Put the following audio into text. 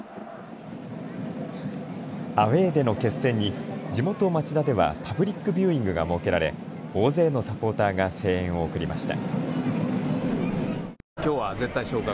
アウェーでの決戦に地元町田ではパブリックビューイングが設けられ大勢のサポーターが声援を送りました。